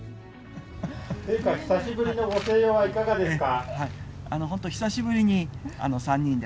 陛下、久しぶりのご静養はいかがですか。